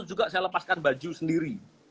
juga saya lepaskan baju sendiri